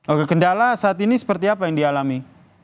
oke kendala saat ini seperti apa yang dialami